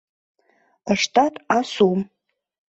Ыштат асум